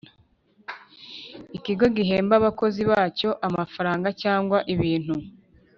Ikigo gihemba abakozi bacyo amafaranga cyangwa ibintu